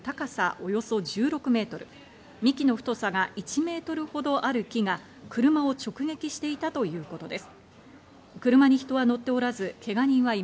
およそ１６ｍ、幹の太さが１ｍほどある木が車を直撃していたということです。